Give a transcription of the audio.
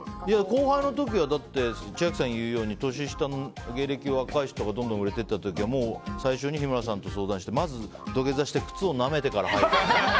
後輩の時は千秋さん言うように年下の芸歴若い人がどんどん売れていった時はもう、最初に日村さんと相談してまず、土下座して靴をなめてから入ろうって。